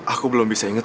aku mau istirahat